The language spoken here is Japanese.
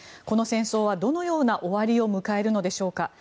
この戦争はどのような終わりを迎えるのでしょうか。